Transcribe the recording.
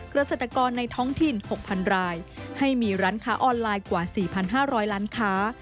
เกษตรกรในท้องถิ่น๖๐๐๐รายให้มีร้านค้าออนไลน์กว่า๔๕๐๐ล้านค้า